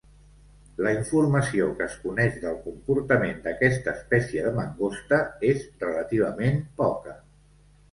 La informació que es coneix del comportament d'aquesta espècie de mangosta és relativament poca.